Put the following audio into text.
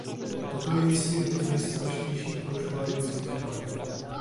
Toto je jistě jedno z nejstrašnějších porušování lidských práv.